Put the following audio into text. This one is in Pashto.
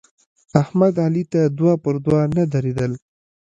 احمد علي ته دوه پر دوه نه درېدل.